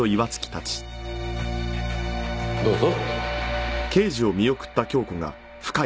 どうぞ。